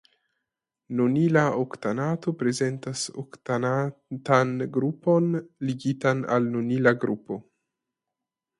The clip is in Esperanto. Nonila oktanato prezentas oktanatan grupon ligitan al nonila grupo.